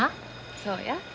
そうや。